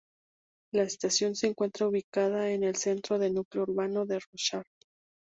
La estación se encuentra ubicada en el centro del núcleo urbano de Rorschach.